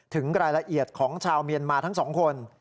ถึงรายละเอียดของชาวเมียนมาทั้งสองคน